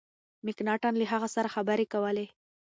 مکناټن له هغه سره خبري کولې.